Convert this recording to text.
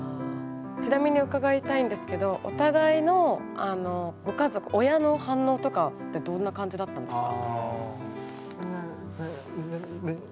ちなみに伺いたいんですけどお互いのご家族親の反応とかってどんな感じだったんですか？